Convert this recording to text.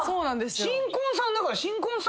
新婚さんだから。